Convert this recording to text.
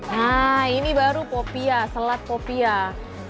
nah ini baru popia selat popiah